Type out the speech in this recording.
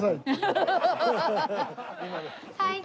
はい！